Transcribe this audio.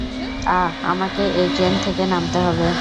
আ-আমাকে এই ট্রেন থেকে নামতে হবে।